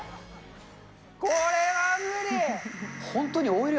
これは無理。